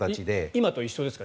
今と一緒ですか？